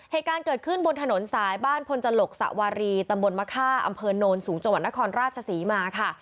เหตุการณ์เกิดขึ้นบนถนนสายบ้านพลจลกสวารีตำบลมะค่าอำเภอโนนสูงจังหวัดนครราชศรีมาค่ะ